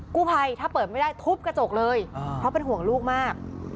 กู้ภัยถ้าเปิดไม่ได้ทุบกระจกเลยเพราะเป็นห่วงลูกมาก